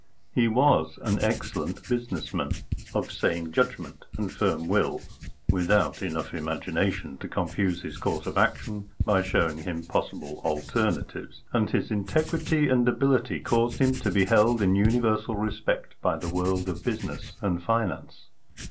He was an excellent business man, of sane judgment and firm will, without enough imagination to confuse his course of action by showing him possible alternatives; and his integrity and ability caused him to be held in universal respect by the world of business and finance.